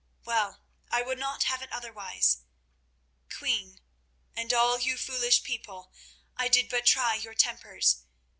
Well, I would not have it otherwise. Queen, and all you foolish people, I did but try your tempers.